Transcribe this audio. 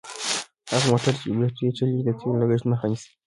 هغه موټر چې په بېټرۍ چلیږي د تېلو د لګښت مخه نیسي.